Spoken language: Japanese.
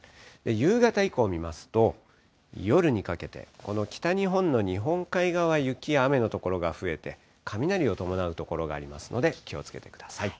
夕方以降見ますと、夜にかけて、この北日本の日本海側は雪や雨の所が増えて、雷を伴う所がありますので気をつけてください。